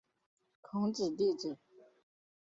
孔子弟子。